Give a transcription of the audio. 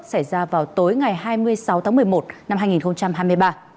xảy ra vào tối ngày hai mươi sáu tháng một mươi một năm hai nghìn hai mươi ba